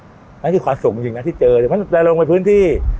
มันนี้คือความสุขจริงจริงนะที่เจอแต่มันไปพื้นที่